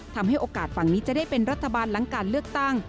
ทำให้โอกาสฝั่งนี้จะได้เป็นรัฐบาลหลังการเลือกตั้ง